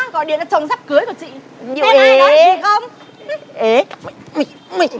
gọi điện cho chồng sắp cưới của chị